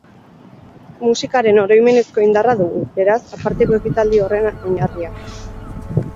Musikaren oroimenezko indarra dugu, beraz, aparteko ekitaldi horren oinarria.